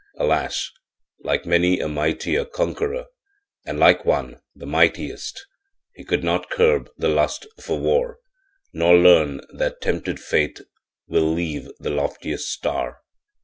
Alas; like many a mightier conqueror, and like one, the mightiest, he could notcurb the lust for war, Nor learn that tempted Fate will leave the loftiest star.